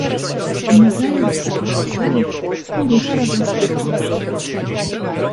"I nazajutrz po noclegu w Płocku ruszyli do Spychowa."